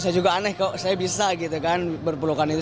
saya juga aneh kok saya bisa gitu kan berpelukan itu